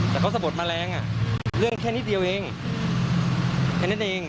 แต่เขาสะบดมาแรงอ่ะเรื่องแค่นิดเดียวเองแค่นิดเดียวเอง